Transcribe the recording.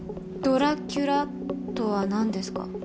ドラキュラとは何ですか？